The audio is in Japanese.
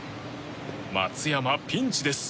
松山、ピンチです。